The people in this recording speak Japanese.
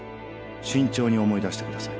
慎重に思い出してください